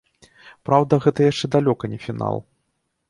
Праўда, гэта яшчэ далёка не фінал.